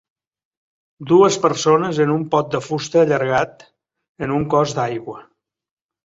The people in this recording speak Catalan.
Dues persones en un pot de fusta allargat en un cos d'aigua.